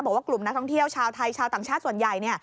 บอกว่ากลุ่มนักท่องเที่ยวชาวไทยชาวต่างชาติส่วนใหญ่